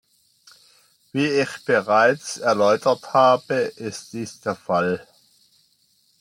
Wie ich bereits erläutert habe, ist dies der Fall.